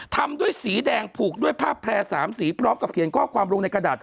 ทำด้วยสีแดงผูกด้วยผ้าแพร่๓สีพร้อมกับเขียนข้อความลงในกระดาษ